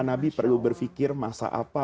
nabi perlu berpikir masa apa